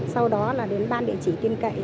sau đó là đến ban địa chỉ tin cậy